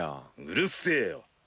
うるせぇよ。